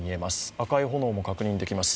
赤い炎も確認できます。